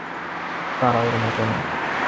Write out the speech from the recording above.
তারা ওর মতো না।